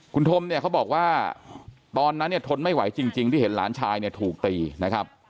คุณธมเนี่ยเขาบอกว่าตอนนั้นเนี่ยทนไม่ไหวจริงที่เห็นหลานชายเนี่ยถูกตีนะครับ